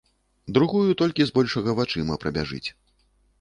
Другую толькі збольшага вачыма прабяжыць.